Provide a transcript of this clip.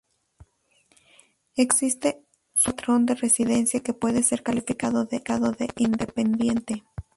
Existe sólo un patrón de residencia que puede ser calificado de independiente.